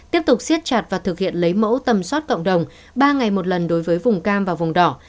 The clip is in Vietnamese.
tiếp tục siết chặt và thực hiện lấy mẫu tầm soát cộng đồng ba ngày một lần đối với vùng cam và vùng đỏ